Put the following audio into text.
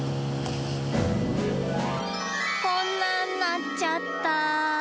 こんなんなっちゃった。